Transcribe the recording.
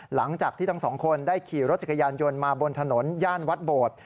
หลังจากที่ทั้งสองคนได้ขี่รถจักรยานยนต์มาบนถนนย่านวัดโบด